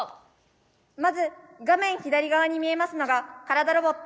まず画面左側に見えますのがからだロボット。